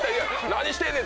「何してんねん？」